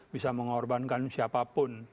bisa mengorbankan siapapun